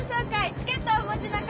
チケットお持ちの方